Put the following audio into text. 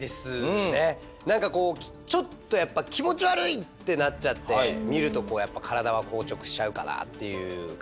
何かこうちょっとやっぱ気持ち悪いってなっちゃって見るとこうやっぱ体は硬直しちゃうかなっていう感じですね。